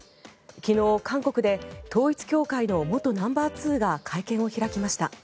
昨日、韓国で統一教会の元ナンバーツーが会見を開きました。